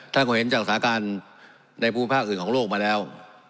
ท่านก็เห็นจากสาการในภูมิภาคอื่นของโลกมาแล้ว